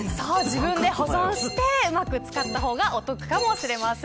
自分で保存してうまく使った方がお得かもしれません。